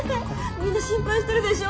みんな心配してるでしょ？